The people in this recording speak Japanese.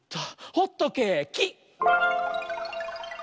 ホットケーキ！